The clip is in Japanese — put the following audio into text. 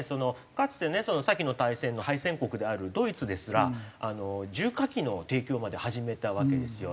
かつてね先の大戦の敗戦国であるドイツですら銃火器の提供まで始めたわけですよ。